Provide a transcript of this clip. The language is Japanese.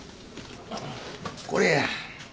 これや。